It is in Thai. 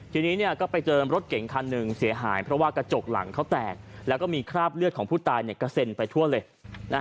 ทีนี้ก็ไปเจอรถเก่งคันหนึ่งเสียหายเพราะว่ากระจกหลังเขาแตกแล้วก็มีคราบเลือดของผู้ตายกระเซ็นไปทั่วเลย